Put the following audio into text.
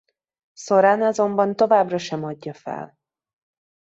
Soran azonban továbbra sem adja fel.